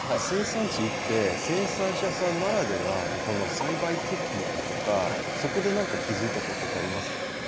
生産地行って生産者さんならではのこの栽培テクニックとかそこで何か気付いたことってありますか？